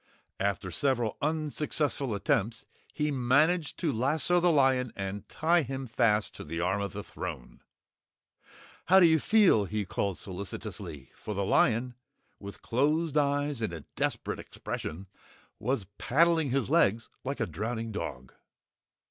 After several unsuccessful attempts he managed to lasso the lion and tie him fast to the arm of the throne. "How do you feel?" he called solicitously, for the lion, with closed eyes and a desperate expression, was paddling his legs like a drowning dog.